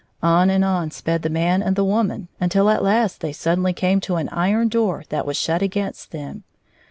On and on sped the man and the woman, until at last they suddenly came to an iron door that was shut against them.